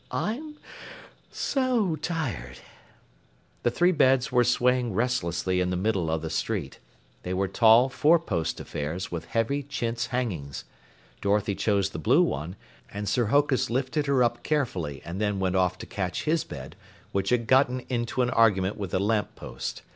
"I'm so tired!" The three beds were swaying restlessly in the middle of the street. They were tall, four post affairs with heavy chintz hangings. Dorothy chose the blue one, and Sir Hokus lifted her up carefully and then went off to catch his bed, which had gotten into an argument with a lamppost.